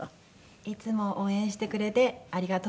いつも応援してくれてありがとさま！